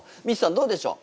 どうでしょう？